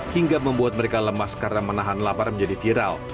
hingga membuat mereka lemas karena menahan lapar menjadi viral